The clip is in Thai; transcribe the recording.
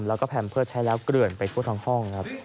แล้วก็แพมเพิร์ตใช้แล้วเกลื่อนไปทั่วทั้งห้องครับ